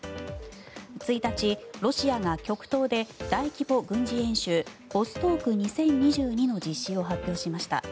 １日、ロシアが極東で大規模軍事演習ボストーク２０２２の実施を発表しました。